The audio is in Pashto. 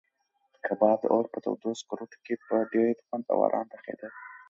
کباب د اور په تودو سکروټو کې په ډېر خوند او ارام پخېده.